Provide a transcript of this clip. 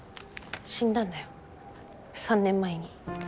死んだんだよ３年前に。